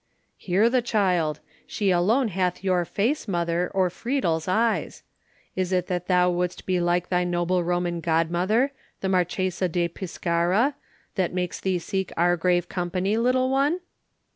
"Hear the child! She alone hath your face, mother, or Friedel's eyes! Is it that thou wouldst be like thy noble Roman godmother, the Marchesa di Pescara, that makes thee seek our grave company, little one?"